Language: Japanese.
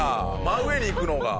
真上に行くのが。